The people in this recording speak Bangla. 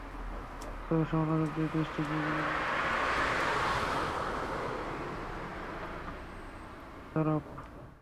তবে সমালোচকেরা দেশটিতে বিরোধীদের রাজনৈতিক কর্মকাণ্ডের ওপর কঠোর বিধি-নিষেধের বিরুদ্ধে সমালোচনায় সরব।